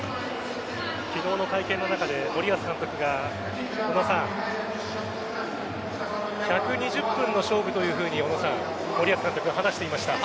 昨日の会見の中で森保監督が１２０分の勝負というふうに森保監督、話していました。